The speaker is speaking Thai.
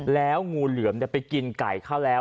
แล้วงูเหลือมไปกินไก่เขาแล้ว